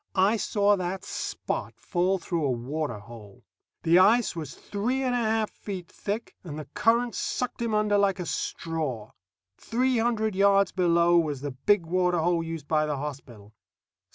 I saw that Spot fall through a water hole. The ice was three and a half feet thick, and the current sucked him under like a straw. Three hundred yards below was the big water hole used by the hospital.